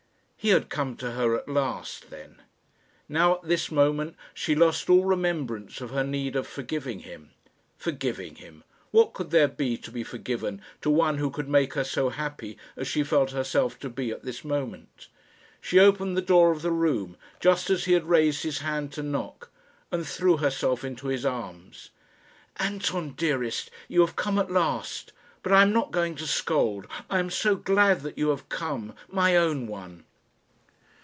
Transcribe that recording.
He had come to her at last, then. Now, at this moment, she lost all remembrance of her need of forgiving him. Forgiving him! What could there be to be forgiven to one who could make her so happy as she felt herself to be at this moment? She opened the door of the room just as he had raised his hand to knock, and threw herself into his arms. "Anton, dearest, you have come at last. But I am not going to scold. I am so glad that you have come, my own one!"